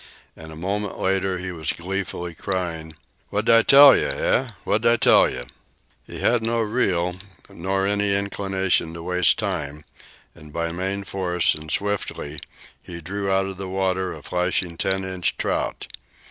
And a moment later he was gleefully crying: "What'd I tell you, eh? What'd I tell you?" He had no reel, nor any inclination to waste time, and by main strength, and swiftly, he drew out of the water a flashing ten inch trout.